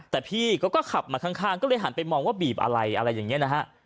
แต่พี่ก็ขับมาข้างก็เลยหันไปมองว่าบีบอะไรอะไรอย่างนี้นะฮะ